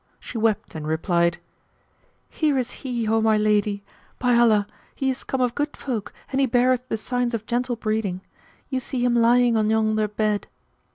She wept and replied, "Here is he, O my lady; by Allah, he is come of good folk and he beareth the signs of gentle breeding: you see him lying on yonder bed."